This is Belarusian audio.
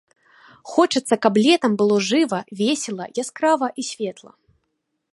Хочацца, каб летам было жыва, весела, яскрава і светла.